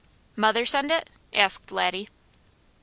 "Mother send it?" asked Laddie.